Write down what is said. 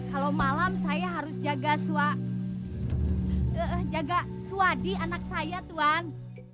kalau malam saya harus jaga suadi anak saya tuhan